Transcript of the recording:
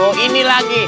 waduh ini lagi